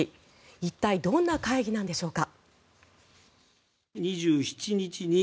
一体どんな会議なんでしょうか。